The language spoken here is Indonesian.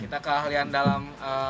kita keahlian dalam